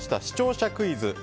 視聴者クイズ